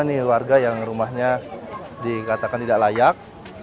ianya rumahnya dikatakan tidak layak